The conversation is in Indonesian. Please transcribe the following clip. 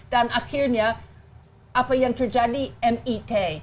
dan akhirnya apa yang terjadi mit